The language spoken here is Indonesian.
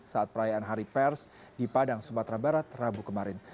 saat perayaan hari pers di padang sumatera barat rabu kemarin